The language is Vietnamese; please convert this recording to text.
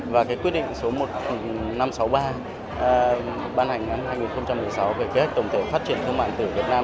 và quyết định số một nghìn năm trăm sáu mươi ba ban hành năm hai nghìn một mươi sáu về kế hoạch tổng thể phát triển thương mại điện tử việt nam